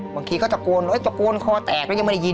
บางทีเขาสกนสกนขอแตกแล้วจะไม่ได้ยิน